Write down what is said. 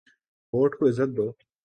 Vote کو عزت دو۔